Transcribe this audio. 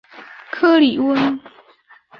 克里翁。